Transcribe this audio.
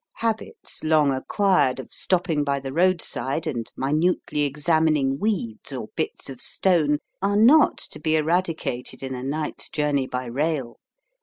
Habits, long acquired, of stopping by the roadside and minutely examining weeds or bits of stone, are not to be eradicated in a night's journey by rail.